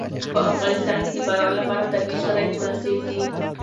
په افغانستان کې د باران لپاره طبیعي شرایط مناسب دي.